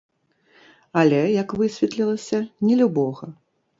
Але, як высветлілася, не любога.